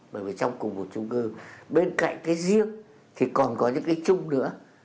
bởi vì trong cùng một trung cư bên cạnh cái riêng thì còn có những cái chung nữa